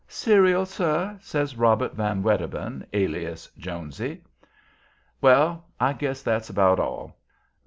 "Cereal, sir?" asks Robert Van Wedderburn, alias "Jonesy." Well, I guess that's about all.